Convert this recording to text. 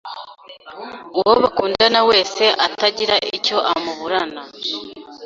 uwo bakundana wese atagira icyo amuburana